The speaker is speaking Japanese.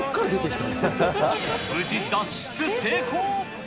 無事脱出成功。